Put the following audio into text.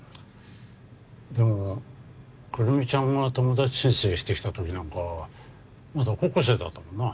でもくるみちゃんが友達申請してきた時なんかまだ高校生だったもんな。